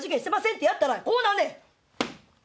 ってやったらこうなんねん！